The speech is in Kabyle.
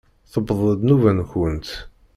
Tewweḍ-d nnuba-nkent!